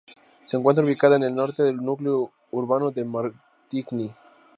Se encuentra ubicada en el norte del núcleo urbano de Martigny.